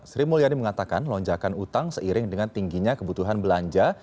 sri mulyani mengatakan lonjakan utang seiring dengan tingginya kebutuhan belanja